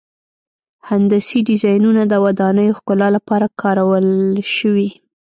هندسي ډیزاینونه د ودانیو ښکلا لپاره کارول شوي.